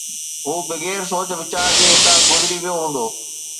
هو بغير سوچ ويچار جي هتان گذري ويو هوندو